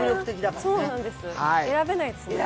選べないですね。